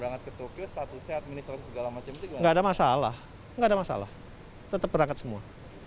gak ada masalah gak ada masalah tetap berangkat semua